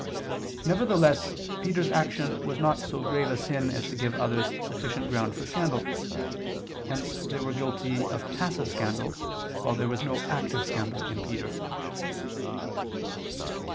Nevertheless Peter's action was not so grave a sin as to give others sufficient ground for scandal. Hence they were guilty of passive scandal, while there was no active scandal in Peter.